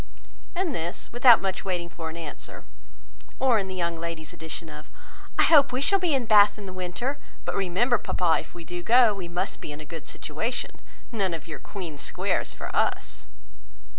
and this, without much waiting for an answer; or in the young ladies' addition of, "I hope we shall be in Bath in the winter; but remember, papa, if we do go, we must be in a good situation: none of your Queen Squares for us!"